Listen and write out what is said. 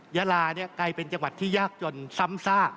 ยาลากลายเป็นจังหวัดที่ยากจนซ้ำซาก